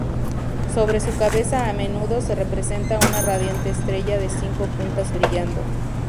Sobre su cabeza a menudo se representa una radiante estrella de cinco puntas brillando.